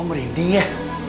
kok merinding ya